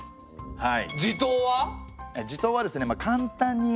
はい。